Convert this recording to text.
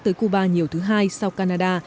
tới cuba nhiều thứ hai sau canada